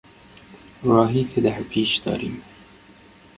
راهی که در پیش داریم